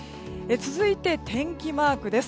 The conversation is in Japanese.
続いて天気マークです。